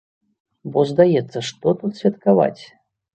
Бо, здаецца, што тут святкаваць?!